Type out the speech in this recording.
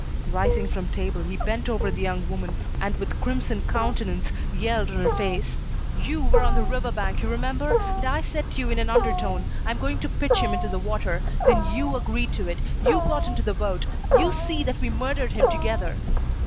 Rising from table, he bent over the young woman, and with crimson countenance, yelled in her face: "You were on the river bank, you remember, and I said to you in an undertone: 'I am going to pitch him into the water.' Then you agreed to it, you got into the boat. You see that we murdered him together."